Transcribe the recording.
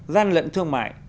gian lận thương mại